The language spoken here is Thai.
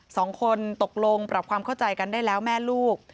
สองคนตกลงปรับความเข้าใจกันได้แล้วแม่ลูก